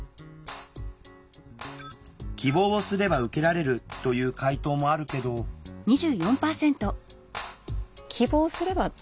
希望をすれば受けられるという回答もあるけどなるほどね。